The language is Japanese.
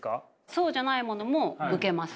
そうじゃないものも受けます。